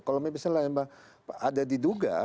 kalau misalnya ada diduga